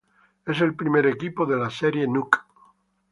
Es el primer equipo de la Serie Nook.